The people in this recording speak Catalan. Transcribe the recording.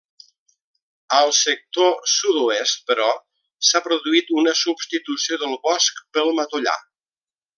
Al sector sud-oest, però, s'ha produït una substitució del bosc pel matollar.